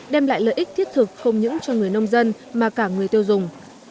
đem lại lợi ích thiết thực không những cho người nông dân mà cả người tiêu dùng